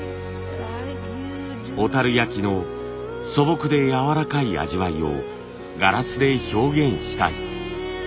小焼きの素朴でやわらかい味わいをガラスで表現したい。